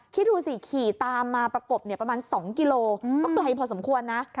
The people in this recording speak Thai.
คิดดูสิขี่ตามมาประกบประมาณ๒กิโลก็ไกลพอสมควรนะ